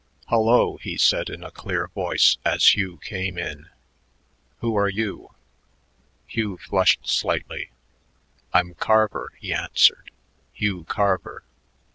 "Hullo," he said in a clear voice as Hugh came in. "Who are you?" Hugh flushed slightly. "I'm Carver," he answered, "Hugh Carver."